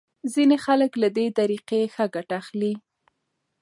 ځینې خلک له دې طریقې ښه ګټه اخلي.